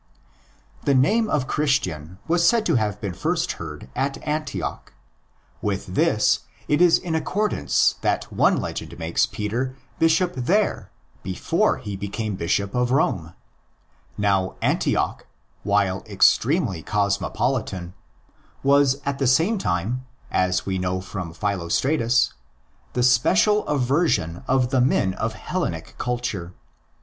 The name of Christian was said to have been first heard at Antioch. With this it is in accordance that one legend makes Peter bishop there before he became bishop of Rome. Now Antioch, while extremely cosmopolitan, was at the same time, as we know from Philostratus, the special aversion of the 1 Christ and Constantius. THE ANTI HELLENIC REACTION 41 men of Hellenic culture.